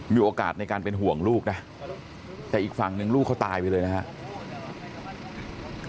มีโอกาสในการเป็นห่วงลูกนะแต่อีกฝั่งนึงลูกเขาตายไปเลยนะครับ